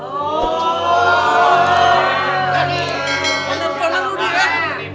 oh berani telepon dulu dia